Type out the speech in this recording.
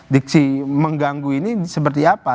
diksi mengganggu ini seperti apa